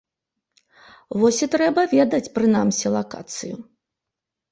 Вось і трэба ведаць прынамсі лакацыю.